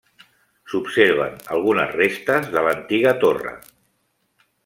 S'observen algunes restes de l'antiga torre.